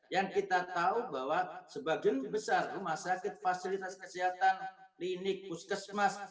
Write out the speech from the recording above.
yang kita tahu bahwa sebagian besar rumah sakit fasilitas kesehatan klinik puskesmas